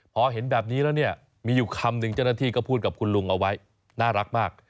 พอเห็นแบบนี้แล้วเนี่ยมีอยู่คำหนึ่งเจ้าหน้าที่ก็พูดกับคุณลุงเอาไว้น่ารักมาก